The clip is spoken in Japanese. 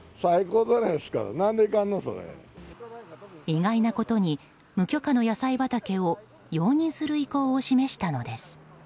意外なことに無許可の野菜畑を容認する意向を示したのです。